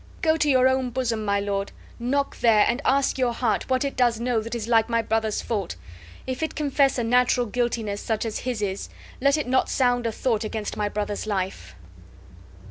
Go to your own bosom, my lord; knock there, and ask your heart what it does know that is like my brother's fault; if it confess a natural guiltiness such as his is, let it not sound a thought against my brother's life!"